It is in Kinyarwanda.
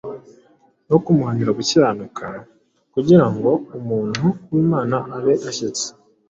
no kumuhanira gukiranuka: kugira ngo umutu w’Imana abe ashyitse,